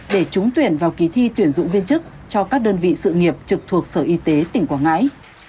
để trúng tuyển vào kỳ thi tuyển dụng viên chức cho các đơn vị sự nghiệp trực thuộc sở y tế tỉnh quảng ngãi